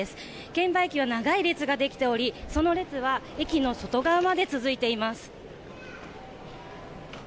券売機は長い列ができておりその列は駅の外側まで続いています。